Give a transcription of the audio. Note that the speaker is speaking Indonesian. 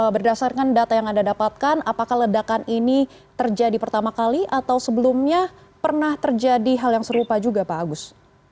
berdasarkan data yang anda dapatkan apakah ledakan ini terjadi pertama kali atau sebelumnya pernah terjadi hal yang serupa juga pak agus